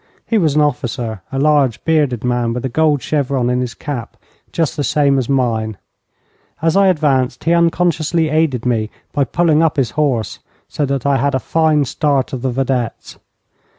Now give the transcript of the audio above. He was an officer, a large, bearded man, with a gold chevron in his cap, just the same as mine. As I advanced he unconsciously aided me by pulling up his horse, so that I had a fine start of the vedettes.